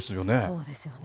そうですよね。